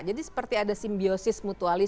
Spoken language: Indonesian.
jadi seperti ada simbiosis mutuanya